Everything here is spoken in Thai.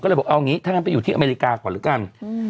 ก็เลยบอกเอางี้ถ้างั้นไปอยู่ที่อเมริกาก่อนแล้วกัน